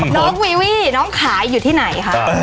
น้องวีวี่น้องขายอยู่ที่ไหนคะ